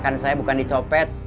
makan saya bukan di copet